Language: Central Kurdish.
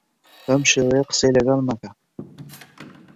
بەو شێوەیە قسەی لەگەڵ مەکە.